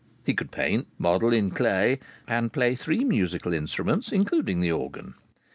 He could paint, model in clay, and play three musical instruments, including the organ.